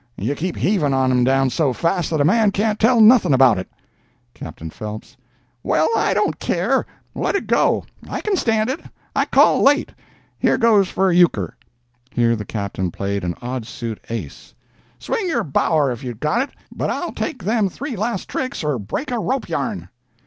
You keep heavin' on 'em down so fast that a man can't tell nothing about it." Captain Phelps—"Well, I don't care—let it go—I can stand it, I cal' late. Here goes for a euchre!" (Here the captain played an odd suit ace.) "Swing your bower if you've got it, but I'll take them three last tricks or break a rope yarn."